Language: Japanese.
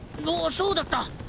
おおそうだった。